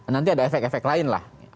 nanti ada efek efek lain lah